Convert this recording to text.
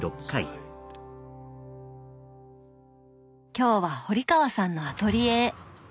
今日は堀川さんのアトリエへ。